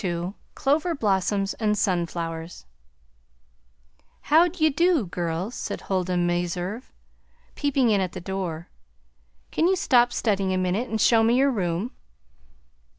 XXII CLOVER BLOSSOMS AND SUNFLOWERS "How d' ye do, girls?" said Huldah Meserve, peeping in at the door. "Can you stop studying a minute and show me your room?